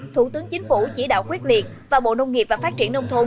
thủ tướng chính phủ chỉ đạo quyết liệt và bộ nông nghiệp và phát triển nông thôn